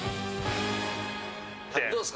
どうですか？